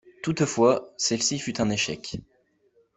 Toutefois celle-ci fut un échec.